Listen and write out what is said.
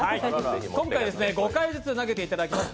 今回５回ずつ投げていただきます。